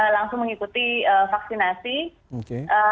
langsung mengikuti vaksinasi